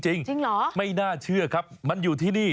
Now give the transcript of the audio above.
จริงเหรอไม่น่าเชื่อครับมันอยู่ที่นี่